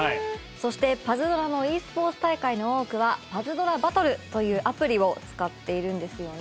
そして『パズドラ』のｅスポーツ大会の多くは『パズドラバトル』というアプリを使っているんですよね。